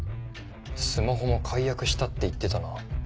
スマホも解約したって言ってたな。